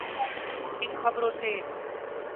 ان خبروں سے؟